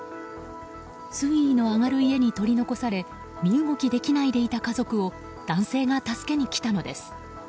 水位の上がる家に取り残され身動きできないでいた家族を男性が助けに来たのです。